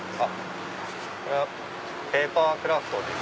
ペーパークラフトです。